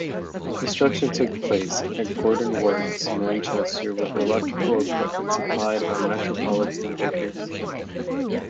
Construction took place at Gorton Works, Manchester with electrical equipment supplied by Metropolitan-Vickers.